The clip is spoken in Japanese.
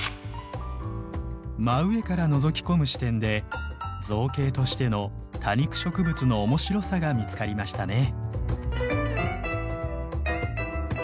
真上からのぞき込む視点で造形としての多肉植物のおもしろさが見つかりましたね。